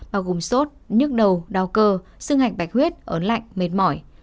bao gồm sốt nhức đầu đau cơ xương hạnh bạch huyết ớn lạnh mệt mỏi